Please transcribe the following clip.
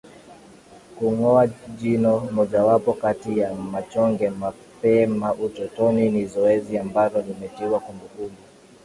Kungoa jino mojawapo kati ya machonge mapema utotoni ni zoezi ambalo limetiwa kumbukumbu